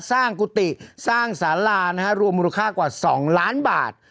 กุฏิสร้างสารานะฮะรวมมูลค่ากว่า๒ล้านบาท